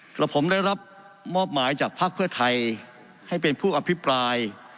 แล้วผมได้รับมอบหมายจากภาคเพื่อไทยให้เป็นผู้อภิปราย